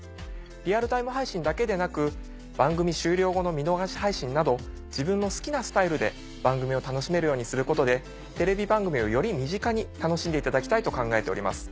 リアルタイム配信だけでなく番組終了後の見逃し配信など自分の好きなスタイルで番組を楽しめるようにすることでテレビ番組をより身近に楽しんでいただきたいと考えております。